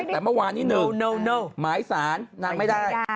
แต่เมื่อวานนี้หนึ่งหมายสารนางไม่ได้